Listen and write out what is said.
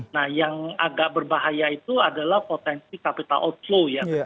nah yang agak berbahaya itu adalah potensi capital outflow ya